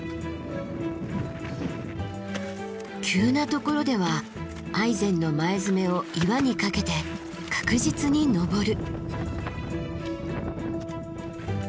急なところではアイゼンの前爪を岩にかけて確実に登る。